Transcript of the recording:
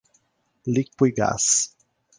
Liquigás